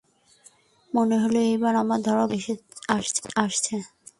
মনে হল, এইবার আমার ধরা পড়বার দিন আসছে।